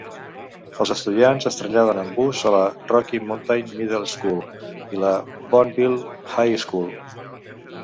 Els estudiants es traslladen en bus a la Rocky Mountain Middle School i la Bonneville High School.